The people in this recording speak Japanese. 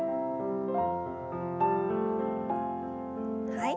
はい。